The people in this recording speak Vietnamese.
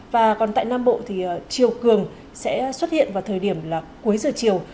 và còn tại nam bộ thì chiều cường sẽ xuất hiện vào thời điểm là cuối giờ chiều